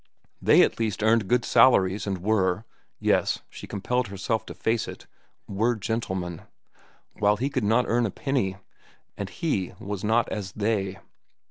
They at least earned good salaries and were—yes, she compelled herself to face it—were gentlemen; while he could not earn a penny, and he was not as they.